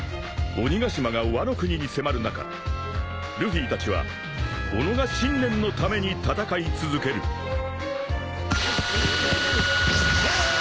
［鬼ヶ島がワノ国に迫る中ルフィたちはおのが信念のために戦い続ける］はああー！